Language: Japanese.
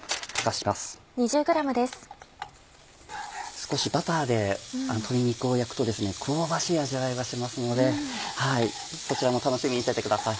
少しバターで鶏肉を焼くと香ばしい味わいがしますのでそちらも楽しみにしててください。